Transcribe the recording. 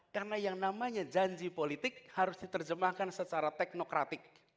karena yang namanya janji politik harus diterjemahkan secara teknokratik